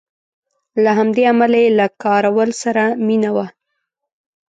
له همدې امله یې له کراول سره مینه وه.